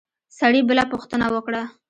سړي بله پوښتنه وکړه.